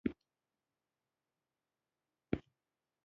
ځپونکي نظامونه په مذاکره نه اصلاح کیږي.